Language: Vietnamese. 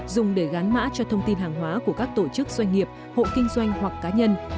dùng để gắn mã cho thông tin hàng hóa của các tổ chức doanh nghiệp hộ kinh doanh hoặc cá nhân